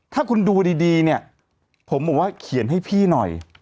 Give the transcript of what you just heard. ถ้าคุณดูดีเนี่ยผมบอกว่าเขียนให้พี่หน่อย